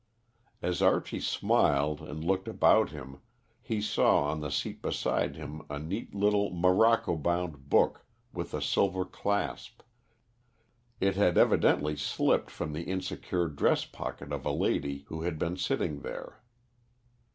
As Archie smiled and looked about him, he saw on the seat beside him a neat little morocco bound book with a silver clasp. It had evidently slipped from the insecure dress pocket of a lady who had been sitting there.